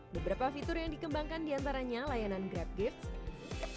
beberapa fitur yang dikembangkan diantaranya layanan grab gifts